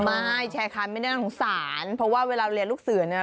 ไม่แชร์คำไม่น่าสงสารเพราะว่าเวลาเรียนลูกเสือเนี่ย